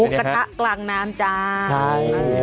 หมูกะทะกลางน้ำจาน